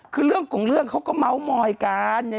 คือเรื่องของเรื่องเขาก็เมาส์มอยกัน